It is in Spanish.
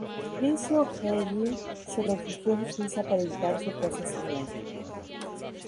Licio Gelli se refugió en Suiza para evitar su procesamiento.